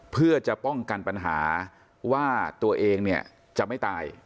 เพื่อจะป้องกันปัญหาว่าตัวเองเนี่ยจะไม่ตาย